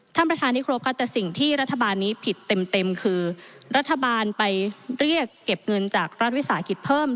ท่านประธานที่ครบค่ะแต่สิ่งที่รัฐบาลนี้ผิดเต็มคือรัฐบาลไปเรียกเก็บเงินจากรัฐวิสาหกิจเพิ่ม